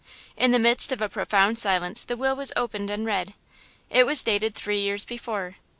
In the midst of a profound silence the will was opened and read. It was dated three years before.